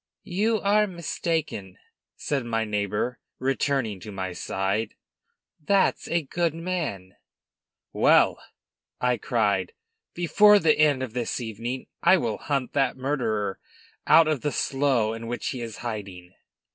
"You are mistaken," said my neighbor, returning to my side; "that's a good man." "Well," I cried, "before the end of this evening, I will hunt that murderer out of the slough in which he is hiding."